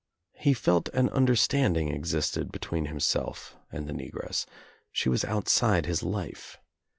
He felt an understanding existed between himself and the negress. She was outside his life.